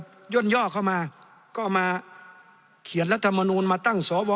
ก็ย่นย่อเข้ามาก็มาเขียนรัฐมนูลมาตั้งสว